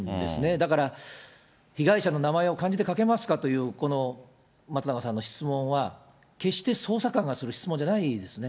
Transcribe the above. だから、被害者の名前を漢字で書けますかという、この松永さんの質問は、決して捜査官がする質問じゃないですね。